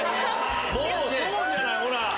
もうそうじゃない？ほら。